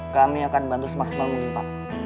kami akan bantu semaksimal mungkin